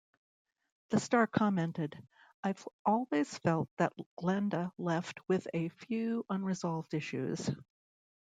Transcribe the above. The star commented: I've always felt that Glenda left with a few unresolved issues.